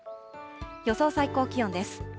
予想最高気温です。